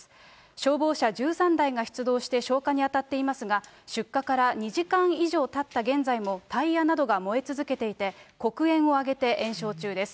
消防車１３台が出動して消火に当たっていますが、出火から２時間以上たった現在もタイヤなどが燃え続けていて、黒煙を上げて延焼中です。